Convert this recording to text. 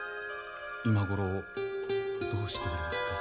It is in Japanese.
今頃どうしていますか。